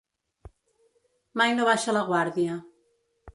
Mai no baixa la guàrdia.